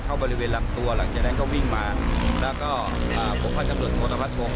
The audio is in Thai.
เข้าบริเวณลำตัวหลังจากนั้นเขาวิ่งมาแล้วก็อ่าบุคคลทั้งส่วนโทรภัทรวง